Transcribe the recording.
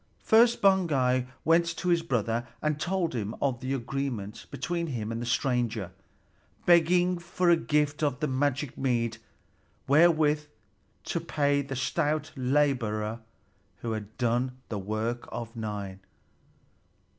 First Baugi went to his brother and told him of the agreement between him and the stranger, begging for a gift of the magic mead wherewith to pay the stout laborer who had done the work of nine.